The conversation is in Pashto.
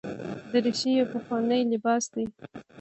دریشي یو پخوانی لباس دی.